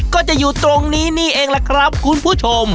ก็จะอยู่ตรงนี้นี่เองล่ะครับคุณผู้ชม